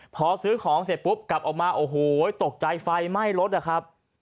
พอซื้อของเสร็จปุ๊บกลับออกมาโอ้โหตกใจไฟไหม้รถนะครับ